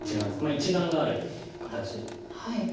一眼がある形で。